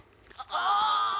ああ。